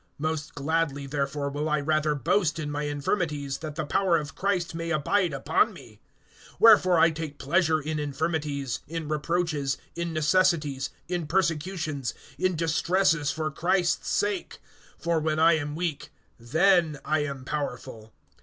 Most gladly therefore will I rather boast in my infirmities, that the power of Christ may abide upon me. (10)Wherefore I take pleasure in infirmities, in reproaches, in necessities, in persecutions, in distresses for Christ's sake: for when I am weak, then I am powerful.